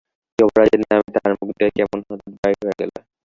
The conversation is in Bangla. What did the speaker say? যুবরাজের নাম তাহার মুখ দিয়া কেমন হঠাৎ বাহির হইয়া গেল।